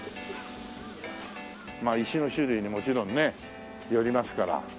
まあ石の種類にもちろんねよりますから。